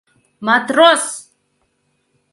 Матрос!..